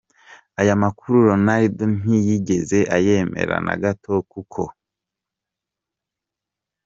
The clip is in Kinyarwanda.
Aya makuru Ronaldo ntiyigeze ayemera na gato, kuko.